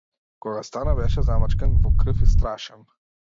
Кога стана беше замачкан во крв и страшен.